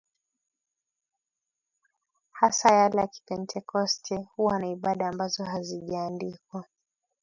hasa yale ya Kipentekoste huwa na ibada ambazo hazijaandikwa